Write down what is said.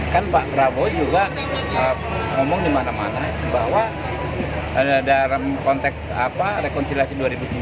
kan pak prabowo juga ngomong dimana mana bahwa dalam konteks rekonsiliasi dua ribu sembilan belas